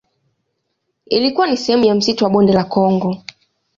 Ilikuwa ni sehemu ya msitu wa Bonde la Kongo.